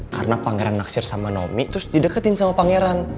karena pangeran naksir sama nomi terus dideketin sama pangeran